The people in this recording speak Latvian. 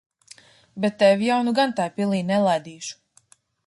Bet tevi jau nu gan tai pilī nelaidīšu.